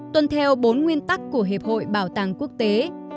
tuân theo bốn nguyên tắc của hiệp hội bảo tàng quốc tế